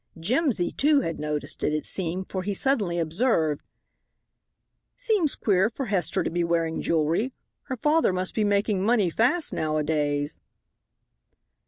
Jimsy, too, had noticed it, it seemed, for he suddenly observed: "Seems queer for Hester to be wearing jewelry. Her father must be making money fast nowadays."